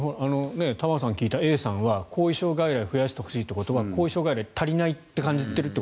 玉川さんが聞いたＡさんは後遺症外来を増やしてほしいということは後遺症外来足りないと感じていると。